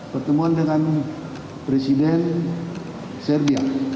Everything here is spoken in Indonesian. pertemuan dengan presiden serbia